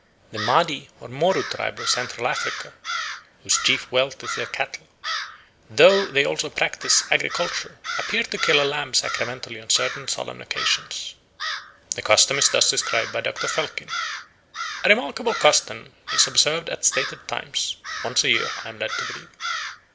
The Madi or Moru tribe of Central Africa, whose chief wealth is their cattle, though they also practise agriculture, appear to kill a lamb sacramentally on certain solemn occasions. The custom is thus described by Dr. Felkin: "A remarkable custom is observed at stated times once a year, I am led to believe.